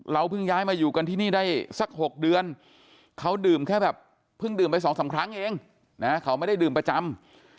เพิ่งย้ายมาอยู่กันที่นี่ได้สัก๖เดือนเขาดื่มแค่แบบเพิ่งดื่มไป๒๓ครั้งเองนะเขาไม่ได้ดื่มประจำ